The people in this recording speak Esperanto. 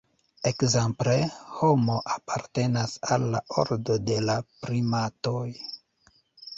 Ekzemple, "Homo" apartenas al la ordo de la primatoj.